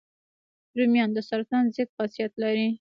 رومیان د سرطان ضد خاصیت لري